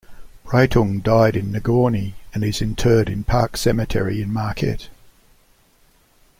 Breitung died in Negaunee and is interred in Park Cemetery in Marquette.